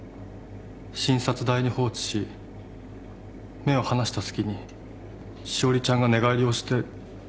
診察台に放置し目を離した隙に詩織ちゃんが寝返りをして。